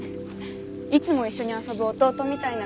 いつも一緒に遊ぶ弟みたいな子がいて。